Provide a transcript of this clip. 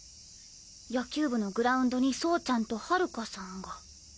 野球部のグラウンドに走ちゃんと春夏さんが。